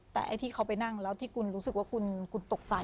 แต่ไอ้ที่เขาไปนั่งแล้วที่คุณรู้สึกว่าคุณตกใจ